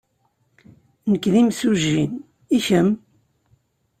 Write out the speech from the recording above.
Nekk d imsujji. I kemm?